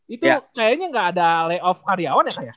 itu kayaknya gak ada lay off karyawan ya kak ya